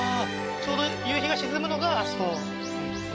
ちょうど夕日が沈むのがあそこ